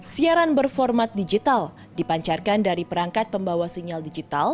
siaran berformat digital dipancarkan dari perangkat pembawa sinyal digital